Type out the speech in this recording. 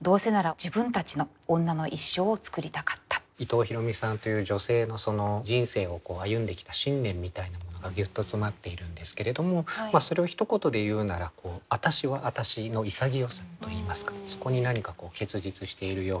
伊藤比呂美さんという女性の人生を歩んできた信念みたいなものがギュッと詰まっているんですけれどもそれをひと言で言うならそこに何か結実しているようで。